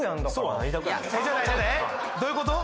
えっどういうこと？